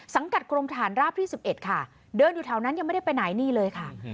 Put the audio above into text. กรมทหารราบที่๑๑ค่ะเดินอยู่แถวนั้นยังไม่ได้ไปไหนนี่เลยค่ะ